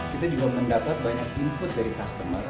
kita juga mendapat banyak input dari customer